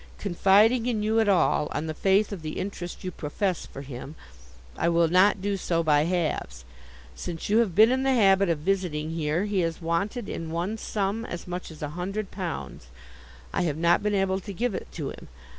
Confiding in you at all, on the faith of the interest you profess for him, I will not do so by halves. Since you have been in the habit of visiting here, he has wanted in one sum as much as a hundred pounds. I have not been able to give it to him.